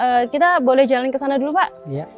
oke kita boleh jalan ke sana dulu pak